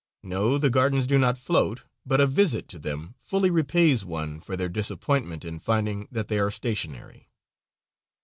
No, the gardens do not float, but a visit to them fully repays one for their disappointment in finding that they are stationary.